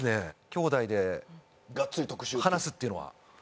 兄弟で話すっていうのは。